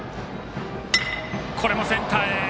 これもセンターへ。